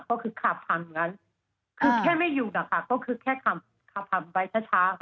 ก็คือขับผ่านอย่างนั้นคือแค่ไม่หยุดอะค่ะก็คือแค่ขับขับผ่านไปช้าค่ะ